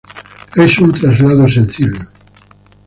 Es un traslado sencillo.